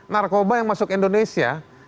narkoba yang masuk indonesia